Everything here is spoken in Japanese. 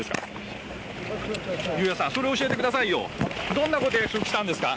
どんなこと約束したんですか？